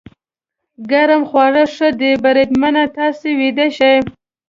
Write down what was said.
ګرم خواړه ښه دي، بریدمنه، تاسې ویده شئ.